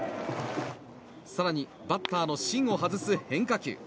更にバッターの芯を外す変化球。